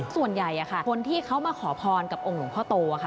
ส่วนใหญ่คนที่เขามาขอพรกับองค์หลวงพ่อโตค่ะ